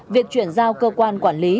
việc chuyển giao cơ quan quản lý